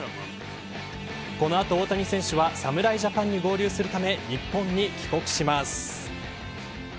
この後大谷選手は侍ジャパンに合流するため日本に帰国します。